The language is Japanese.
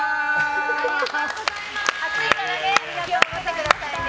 暑いから気を付けてくださいね。